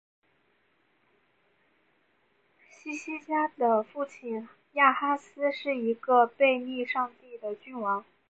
希西家的父亲亚哈斯是一个背逆上帝的君王。